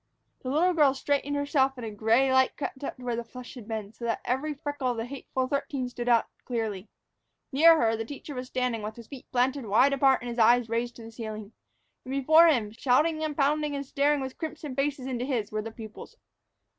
The little girl straightened herself and a gray light crept up to where the flush had been, so that every freckle of the hateful thirteen stood out clearly. Near her, the teacher was standing, with his feet planted wide apart and his eyes raised to the ceiling. And before him, shouting and pounding and staring with crimson faces into his, were the pupils.